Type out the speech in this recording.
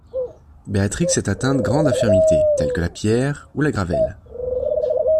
Béatrix est atteinte grandes infirmités, tels que la pierre, ou la gravelle.